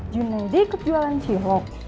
junaidi ikut jualan cihok